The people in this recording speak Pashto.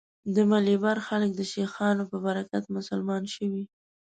د مالیبار خلک د شیخانو په برکت مسلمان شوي.